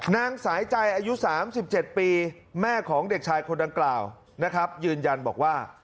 นางสายใจอายุ๓๗ปีแม่ของเด็กชายคนดังกล่าวนะครับยืนยันบอกว่า